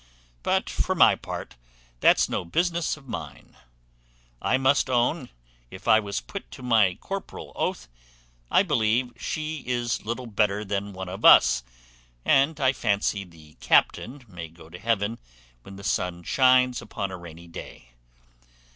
But, for my part, that's no business of mine: I must own, if I was put to my corporal oath, I believe she is little better than one of us; and I fancy the captain may go to heaven when the sun shines upon a rainy day.